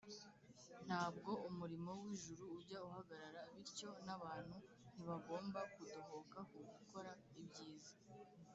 . Ntabwo umurimo w’ijuru ujya uhagarara, bityo n’abantu ntibagomba kudohoka ku gukora ibyiza